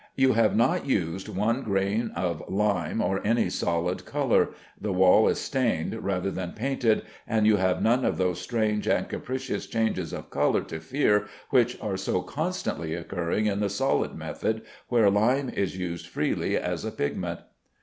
You have not used one grain of lime or of any solid color; the wall is stained rather than painted, and you have none of those strange and capricious changes of color to fear which are so constantly occurring in the solid method, where lime is used freely as a pigment.